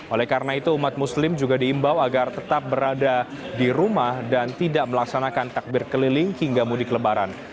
oleh karena itu umat muslim juga diimbau agar tetap berada di rumah dan tidak melaksanakan takbir keliling hingga mudik lebaran